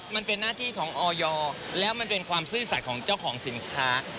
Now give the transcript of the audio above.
มันเป็นหน้าที่ของออยแล้วมันเป็นความซื่อสัตว์ของเจ้าของสินค้า